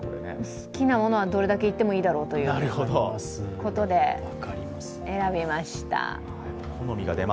好きなものはどれだけいってもいいだろうということで選びました。